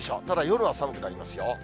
ただ、夜は寒くなりますよ。